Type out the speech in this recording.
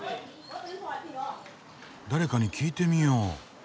誰かに聞いてみよう。